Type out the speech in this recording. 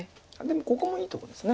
でもここもいいとこです。